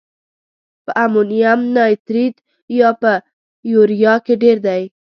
په امونیم نایتریت یا په یوریا کې ډیر دی؟